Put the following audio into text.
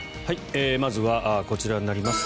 まずはこちらになります。